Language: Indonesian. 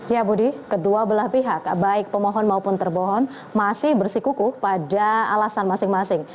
ya budi kedua belah pihak baik pemohon maupun terbohon masih bersikuku pada alasan masing masing